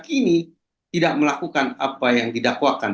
kini tidak melakukan apa yang didakwakan